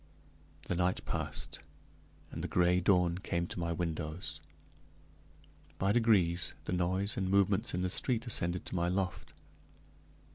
The night passed, and the gray dawn came to my windows; by degrees the noise and movements in the street ascended to my loft.